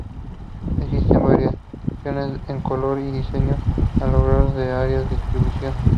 Existen variaciones en color y diseño a lo largo de su área de distribución.